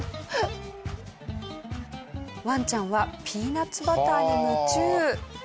ワンちゃんはピーナッツバターに夢中。